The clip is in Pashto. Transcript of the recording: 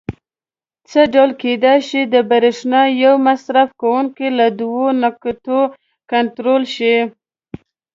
څه ډول کېدای شي د برېښنا یو مصرف کوونکی له دوو نقطو کنټرول شي؟